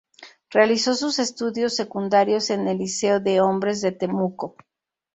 Realizó sus estudios secundarios en el Liceo de Hombres de Temuco.